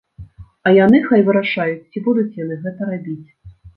А яны хай вырашаюць, ці будуць яны гэта рабіць.